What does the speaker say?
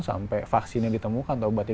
sampai vaksinnya ditemukan obatnya